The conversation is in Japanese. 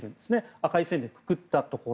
赤い線でくくったところ。